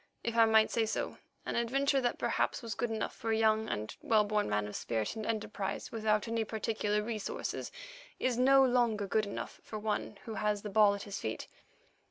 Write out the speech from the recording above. If I might say so, an adventure that perhaps was good enough for a young and well born man of spirit and enterprise without any particular resources, is no longer good enough for one who has the ball at his feet.